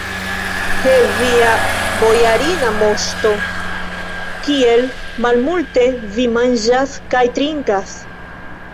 He, via bojarina moŝto, kiel malmulte vi manĝas kaj trinkas!